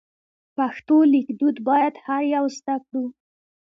پښتو لیک دود باید هر یو زده کړو.